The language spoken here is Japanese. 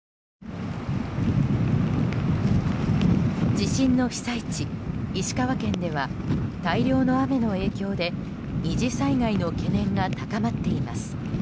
地震の被災地・石川県では大量の雨の影響で２次災害の懸念が高まっています。